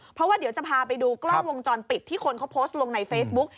เพราะว่าเดี๋ยวจะพาไปดูกล้องวงจรปิดที่คนเขาโพสต์ลงในเฟซบุ๊ก